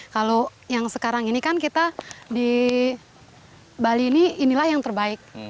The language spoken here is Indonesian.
kalau yang sekarang ini kan kita di bali ini inilah yang terbaik